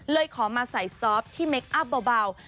เลยขอมาใส่ซอฟต์ที่เมคอัพเบา